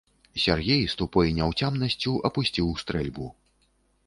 Сяргей з тупой няўцямнасцю апусціў стрэльбу.